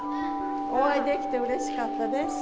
お会いできてうれしかったです。